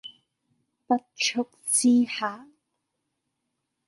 不速之客